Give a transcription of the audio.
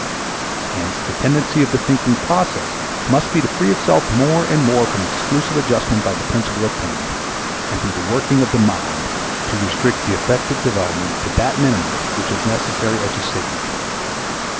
Hence the tendency of the thinking process must be to free itself more and more from exclusive adjustment by the principle of pain, and through the working of the mind to restrict the affective development to that minimum which is necessary as a signal.